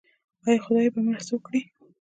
آیا خدای به مرسته وکړي؟